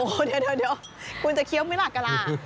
โหเดี๋ยวคุณจะเขี้ยุไม่หลักกระล่าง